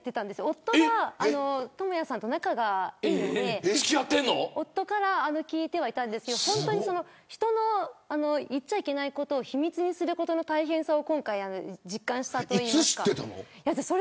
夫が倫也さんと仲がいいので夫から聞いてはいたんですけど人の言ってはいけないことを秘密にすることの大変さをいつ知っていたの。